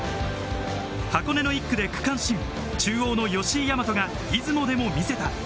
箱根の１区で区間新、中央の吉居大和が出雲でもみせた。